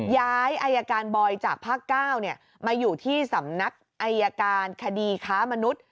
ย้ายอายการบอยจากภาค๙มาอยู่ที่สำนักอายการคดีค้ามนุษย์